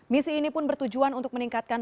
misi ini pun bertujuan untuk meningkatkan